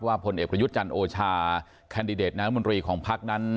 ว่าผลเอกพระยุทธจันทร์โอชาแคนดิเดตน้ำมนตรีของภักดิ์นั้น